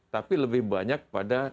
tapi lebih banyak pada